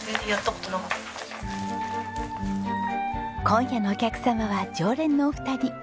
今夜のお客様は常連のお二人。